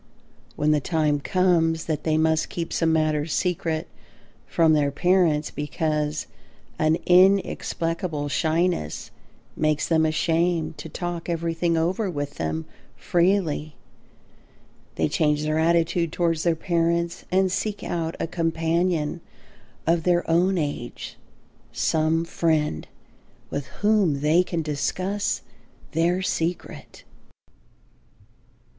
When the time comes that they must keep some matters secret from their parents because an inexplicable shyness makes them ashamed to talk everything over with them freely, they change their attitude towards their parents and seek out a companion of their own age, some friend with whom they can discuss their secret.